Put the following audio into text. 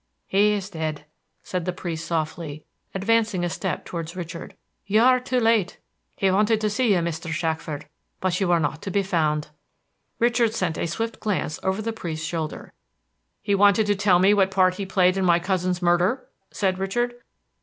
"He is dead," said the priest softly, advancing a step towards Richard. "You are too late. He wanted to see you, Mr. Shackford, but you were not to be found." Richard sent a swift glance over the priest's shoulder. "He wanted to tell me what part he had played in my cousin's murder?" said Richard.